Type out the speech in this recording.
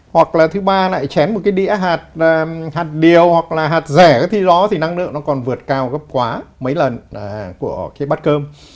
hoặc là thứ ba lại chén một cái đĩa hạt đều hoặc là hạt rẻ thì nó thì năng lượng nó còn vượt cao gấp quá mấy lần của cái bát cơm